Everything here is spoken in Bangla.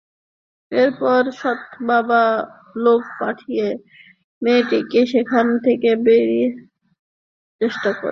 এরপরও সৎবাবা লোক পাঠিয়ে মেয়েটিকে সেখান থেকে বাড়িতে নিয়ে যাওয়ার চেষ্টা করে।